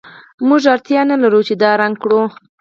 موږ اړتیا نلرو چې دا رنګ کړو